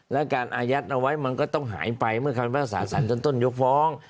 และการอายัดเอาไว้มันก็ต้องหายไปเมื่อคำภาษาสารต้นยกฟ้อง